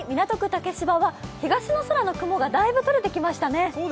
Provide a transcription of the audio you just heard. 竹芝は東の空の雲がだいぶ取れてきましたね。